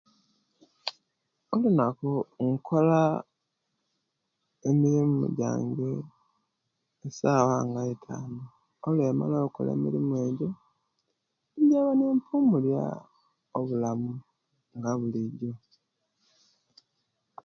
Olunaku inkola emirimu jange esawa nga eitanu oluwemala okola emirimu ejo njaba nipumuliya obulamu nga bulijo